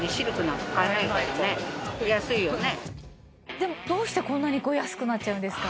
でもどうしてこんなに安くなっちゃうんですか？